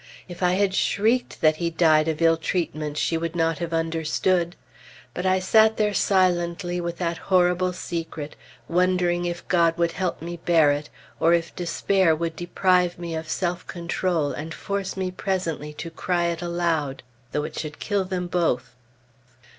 If I had shrieked that he died of ill treatment, she would not have understood. But I sat there silently with that horrible secret, wondering if God would help me bear it, or if despair would deprive me of self control and force me presently to cry it aloud, though it should kill them both.